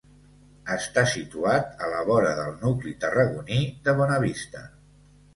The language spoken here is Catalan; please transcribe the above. Està situat a la vora del nucli tarragoní de Bonavista.